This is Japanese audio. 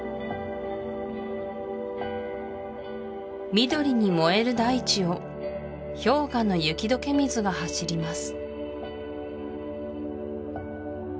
緑にもえる大地を氷河の雪どけ水が走ります